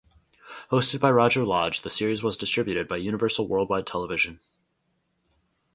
Hosted by Roger Lodge, the series was distributed by Universal Worldwide Television.